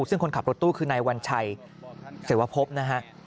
ซึ่งคนขับรถตู้คือนายวัญชัยเสวพบนะฮะ